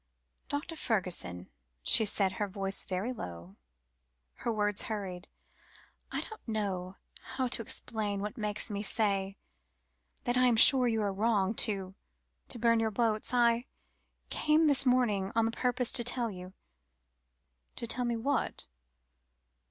"Dr. Fergusson," she said, her voice very low, her words hurried. "I don't know how to explain what makes me say that I am sure you are wrong to to burn your boats. I came this morning on purpose to tell you " "To tell me what?"